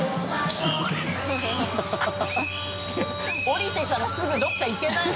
降りてからすぐどこか行けない。